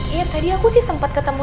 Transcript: iya tadi aku sih sempat ketemu